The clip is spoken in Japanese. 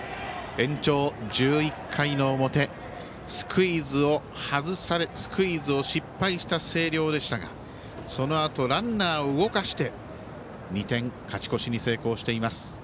延長１１回の表スクイズを失敗した星稜でしたがそのあとランナーを動かして２点勝ち越しに成功しています。